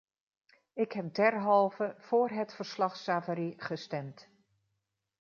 Ik heb derhalve voor het verslag-Savary gestemd.